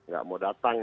gak mau datang